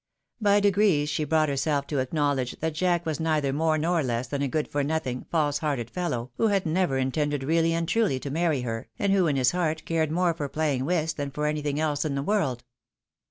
By degrees she brought herself to acknowledge that Jack was neither more nor less than a good for nothing, false hearted fellow, who had never intended really and truly to marry her, and who in his heart cared more for playing whist, than for anything else in the world.